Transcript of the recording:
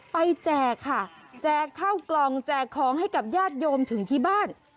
แจกค่ะแจกข้าวกล่องแจกของให้กับญาติโยมถึงที่บ้าน